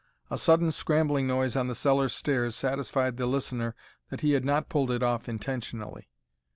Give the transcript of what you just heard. A sudden scrambling noise on the cellar stairs satisfied the listener that he had not pulled it off intentionally.